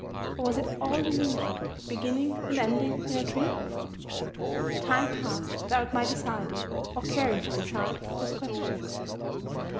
Or was it all delusion, beginning and ending in a dream? The time passed without my deciding, or caring to decide, those questions.